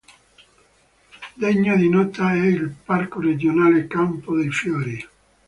Degno di nota è il Parco regionale Campo dei Fiori.